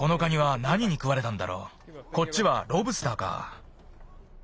こっちはロブスターか。